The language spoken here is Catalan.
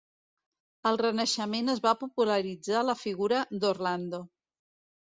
Al Renaixement es va popularitzar la figura d'Orlando.